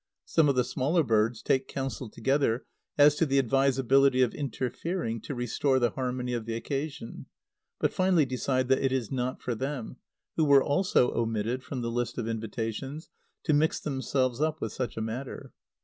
Some of the smaller birds take counsel together as to the advisability of interfering to restore the harmony of the occasion, but finally decide that it is not for them, who were also omitted from the list of invitations, to mix themselves up with such a matter.